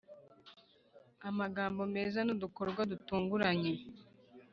amagambo Meza n'udukorwa dutunguranye.